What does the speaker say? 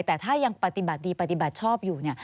แต่ถ้ายังปฏิบัติดีปฏิบัติชอบอยู่